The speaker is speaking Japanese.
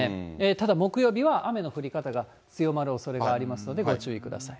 ただ木曜日は雨の降り方が強まるおそれがありますので、ご注意ください。